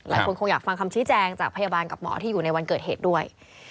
คงอยากฟังคำชี้แจงจากพยาบาลกับหมอที่อยู่ในวันเกิดเหตุด้วย